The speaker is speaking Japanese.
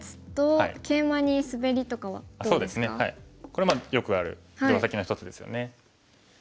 これよくある定石の一つですよね。